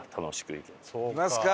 いきますか！